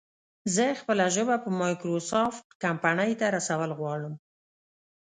زه خپله ژبه په مايکروسافټ کمپنۍ ته رسول غواړم